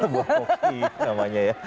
buah kopi namanya ya